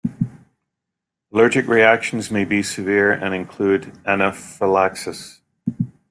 Allergic reactions may be severe and include anaphylaxis.